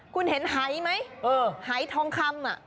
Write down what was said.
คุณเห็นไฮไหมไฮทองคำ